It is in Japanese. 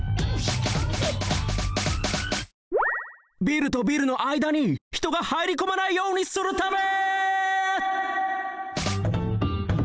ビルとビルのあいだにひとが入りこまないようにするため！